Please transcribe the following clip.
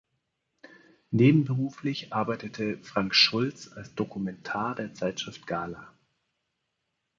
Nebenberuflich arbeitete Frank Schulz als Dokumentar der Zeitschrift Gala.